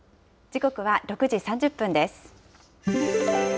時刻は６時３０分です。